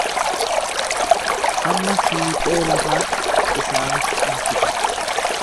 Hamma fiixee lafaatti isaanitti in sika.